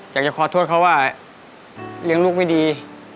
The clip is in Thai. อยากจะขอโทษเขาว่าเลี้ยงลูกไม่ดี